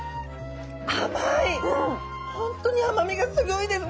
本当に甘みがすごいです。